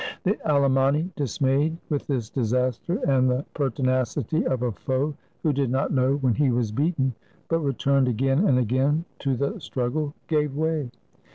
The Alemanni, dismayed with this disaster and the perti nacity of a foe who did not know when he was beaten, but returned again and again to the struggle, gave way.